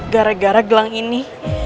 gara gara gelang ini